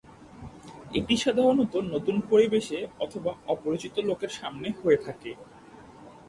এটি সাধারণত নতুন পরিবেশে অথবা অপরিচিত লোকের সামনে হয়ে থাকে।